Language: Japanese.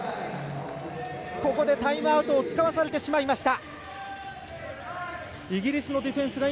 ここでタイムアウトを使わされてしまいました。